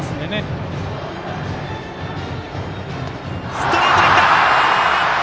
ストレートできた！